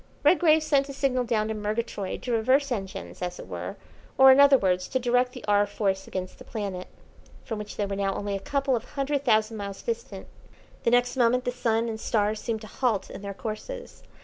Redgrave sent a signal down to Murgatroyd to reverse engines, as it were, or, in other words, to direct the "R. Force" against the planet, from which they were now only a couple of hundred thousand miles distant. The next moment the sun and stars seemed to halt in their courses.